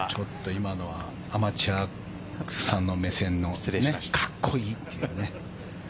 今のはアマチュアさんの目線の格好いいっていうね。